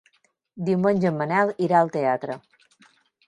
Diumenge en Manel irà al teatre.